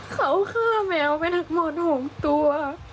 เขาฆ่าแมวไปทั้งหมด๖ตัว